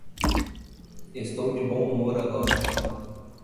Estou de bom humor agora.